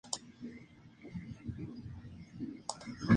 La bandera oficial del Estado puede ser rectangular o tener tres puntas.